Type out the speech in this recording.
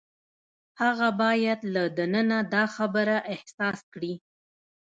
هغه باید له دننه دا خبره احساس کړي.